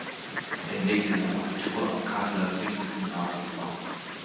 Er legte das Abitur am Kasseler Friedrichsgymnasium ab.